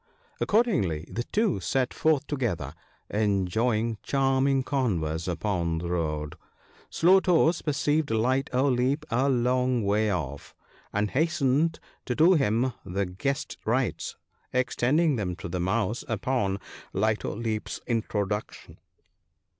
Accordingly, the two set forth together enjoying charm ing converse upon the road. Slow toes perceived Light o' Leap a long way off, and hastened to do him the guest rites, extending them to the Mouse upon Light o' Leap's introduction.